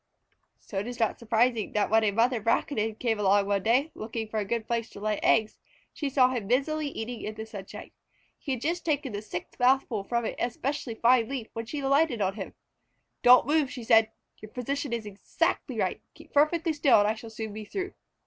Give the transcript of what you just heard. So it is not surprising that when a mother Braconid came along one day, looking for a good place to lay eggs, she saw him busily eating in the sunshine. He had just taken the sixth mouthful from an especially fine leaf when she alighted on him. "Don't move!" she said. "Your position is exactly right. Keep perfectly still and I shall soon be through."